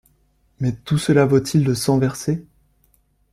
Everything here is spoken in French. Mais tout cela vaut-il le sang versé?